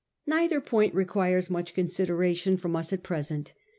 307 Neither point requires much consideration from, us at present.